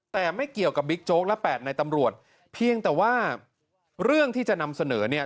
แต่ไม่เกี่ยวกับบิ๊กโจ๊กและแปดในตำรวจเพียงแต่ว่าเรื่องที่จะนำเสนอเนี่ย